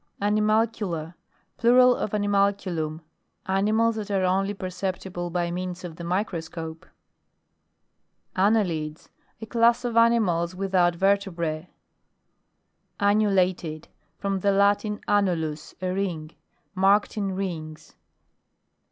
AJVIMALCULA. Plural of animalcu lum animals that are only per ceptible by means of the micro scope. ANNELIDES. A class of animals with out vertebrae. ANNULATED From the Latin, annu lus, a ring; marked in rings.